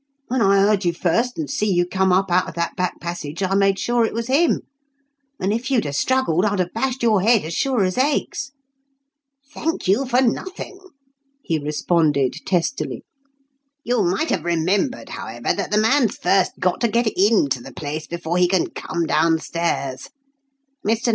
"When I heard you first, and see you come up out of that back passage, I made sure it was him; and if you'd a struggled, I'd have bashed your head as sure as eggs." "Thank you for nothing," he responded testily. "You might have remembered, however, that the man's first got to get into the place before he can come downstairs. Mr.